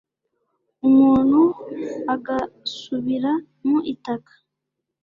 umuntu agasubira mu gitaka